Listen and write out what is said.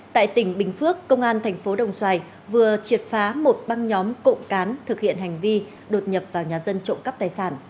tại tỉnh bình phước công an thành phố đồng xoài vừa triệt phá một băng nhóm cộng cán thực hiện hành vi đột nhập vào nhà dân trộm cắp tài sản